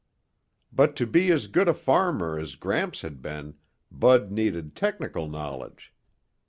But to be as good a farmer as Gramps had been, Bud needed technical knowledge.